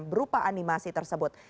berupa animasi tersebut